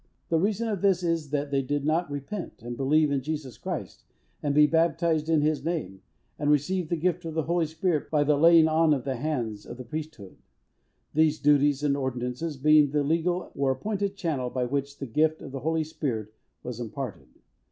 The reason of this is, that they did not repent, and believe in Jesus Christ, and be baptized in his name, and receive the gift of the Holy Spirit, by the laying on of the hands of the Priesthood these duties and ordinances, being the legal or appointed channel by which the gift of the Holy Spirit was imparted.